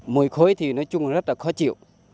mùi khối thì nói chung là rất là khó chịu